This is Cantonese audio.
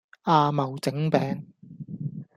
阿茂整餅